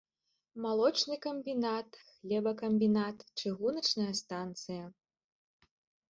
Малочны камбінат, хлебакамбінат, чыгуначная станцыя.